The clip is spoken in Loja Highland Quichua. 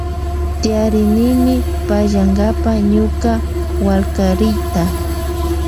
Tiyarini pallankapa ñuka wallkariyta.